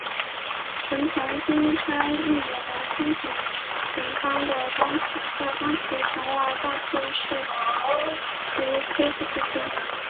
臣从今川义元的松平元康在冈崎城外大树寺试图切腹自尽。